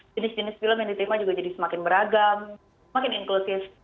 jenis jenis film yang diterima juga jadi semakin beragam semakin inklusif